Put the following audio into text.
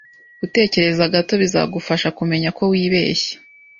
Gutekereza gato bizagufasha kumenya ko wibeshye.